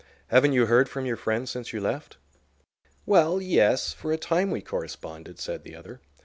Haven't you heard from your friend since you left?" "Well, yes, for a time we corresponded," said the other.